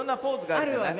あるわね。